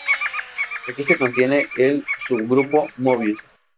Aquí se contiene el subgrupo Möbius.